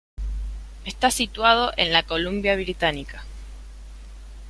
Está situado en la Columbia Británica.